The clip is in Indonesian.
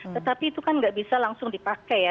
tetapi itu kan nggak bisa langsung dipakai ya